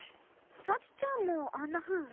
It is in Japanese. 幸ちゃんもあんなふう？